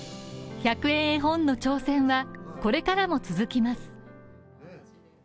１００円絵本の挑戦はこれからも続きます。